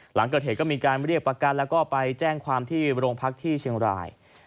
หลังเกิดเหตุก็มีการเรียกประกันแล้วก็ไปแจ้งความที่โรงพักที่เชียงราย